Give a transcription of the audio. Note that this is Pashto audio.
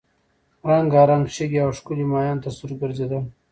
رنګارنګ شګې او ښکلي ماهیان تر سترګو ګرځېدل.